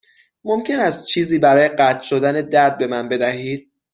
ممکن است چیزی برای قطع شدن درد به من بدهید؟